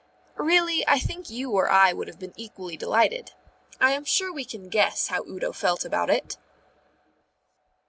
Really, I think you or I would have been equally delighted. I am sure we can guess how Udo felt about it.